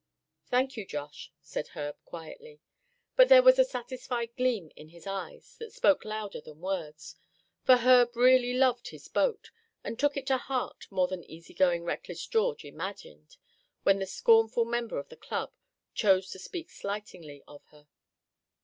"Thank you, Josh!" said Herb, quietly; but there was a satisfied gleam in his eyes that spoke louder than words; for Herb really loved his boat, and took it to heart more than easy going, reckless George imagined, when the scornful member of the club chose to speak slightingly of her.